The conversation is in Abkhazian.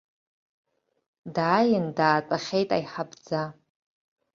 Дааин даатәахьеит аиҳабӡа.